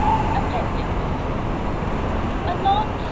APPENDIX. "A knot!"